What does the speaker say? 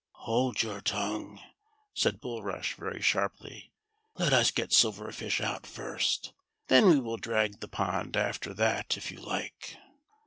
"Hold your tongue," said Bulrush very sharply; let us get Silver Fish out first, then we will drag the pond after that if you like."